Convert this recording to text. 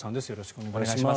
お願いします。